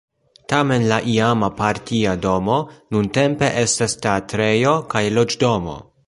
Tamen la iama partia domo nuntempe estas teatrejo kaj loĝdomo.